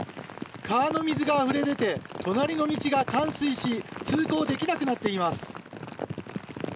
川の水があふれ出て隣の道が冠水し通行できなくなっています。